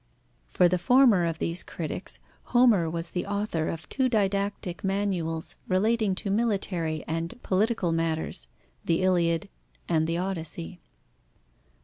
For the former of these critics, Homer was the author of two didactic manuals relating to military and political matters: the Iliad and the Odyssey.